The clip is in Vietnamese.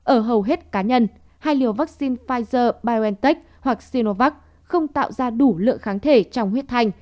ở hầu hết cá nhân hai liều vaccine pfizer biontech hoặc sinovac không tạo ra đủ lượng kháng thể trong huyết thanh